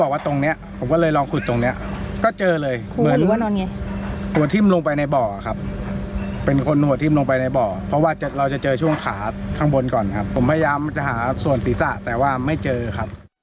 วันนี้ก็เจอเหรียญบาทใกล้และกระดูก